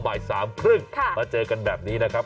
๓๐นาทีหรือว่าบ่าย๓๓๐มาเจอกันแบบนี้นะครับ